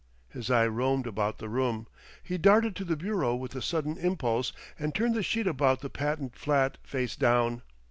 His eye roamed about the room. He darted to the bureau with a sudden impulse, and turned the sheet about the patent flat face down.